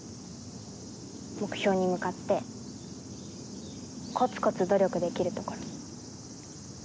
目標に向かってコツコツ努力できるところ。